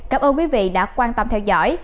cảm ơn quý vị đã quan tâm theo dõi